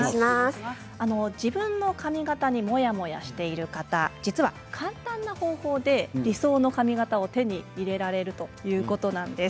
自分の髪形にモヤモヤしている方実は簡単な方法で理想の髪形を手に入れられるということなんです。